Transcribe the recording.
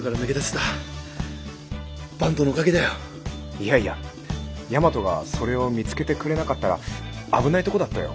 いやいや大和がそれを見つけてくれなかったら危ないとこだったよ。